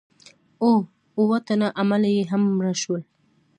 او اووه تنه عمله یې هم مړه شول.